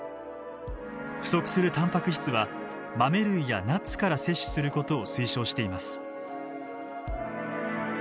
不足するタンパク質は豆類やナッツから摂取することを推奨しています。